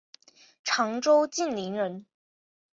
常州晋陵人。